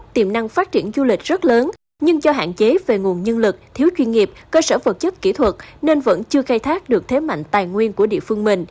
tiềm năng phát triển du lịch rất lớn nhưng do hạn chế về nguồn nhân lực thiếu chuyên nghiệp cơ sở vật chất kỹ thuật nên vẫn chưa khai thác được thế mạnh tài nguyên của địa phương mình